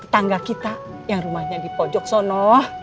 tetangga kita yang rumahnya di pojok sono